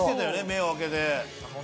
目を開けて。